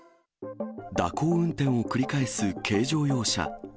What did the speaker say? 蛇行運転を繰り返す軽乗用車。